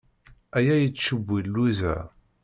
Aya yettcewwil Lwiza.